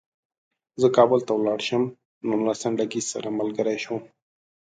زه کابل ته ولاړ شم نو له سنډکي سره ملګری شوم.